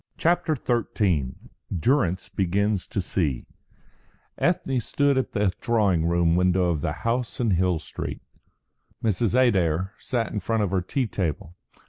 CHAPTER XIII DURRANCE BEGINS TO SEE Ethne stood at the drawing room window of the house in Hill Street. Mrs. Adair sat in front of her tea table.